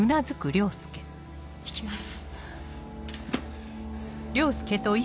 行きます。